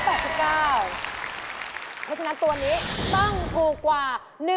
เพราะฉะนั้นตัวนี้ต้องถูกกว่า